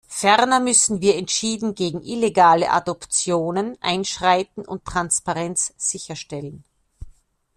Ferner müssen wir entschieden gegen illegale Adoptionen einschreiten und Transparenz sicherstellen.